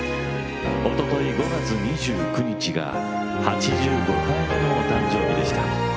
おととい５月２９日が８５回目のお誕生日でした。